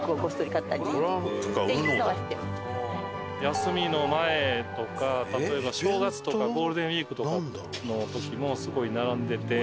休みの前とか例えば正月とかゴールデンウィークとかの時もすごい並んでて。